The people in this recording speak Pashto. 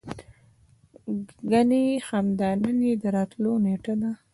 ګني همدا نن يې د راتللو نېټه ده.